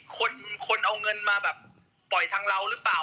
คนคนเอาเงินมาแบบปล่อยทางเราหรือเปล่า